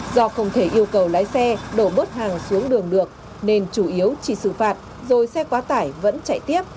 do không thể yêu cầu lái xe đổ bớt hàng xuống đường được nên chủ yếu chỉ xử phạt rồi xe quá tải vẫn chạy tiếp